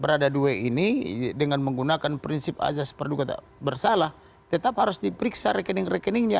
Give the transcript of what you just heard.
berada dua ini dengan menggunakan prinsip azas perduka bersalah tetap harus diperiksa rekening rekeningnya